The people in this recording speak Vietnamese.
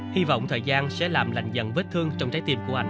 hy vọng thời gian sẽ làm lạnh dần vết thương trong trái tim của anh